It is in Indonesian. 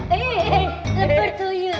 eh lemper tuh iya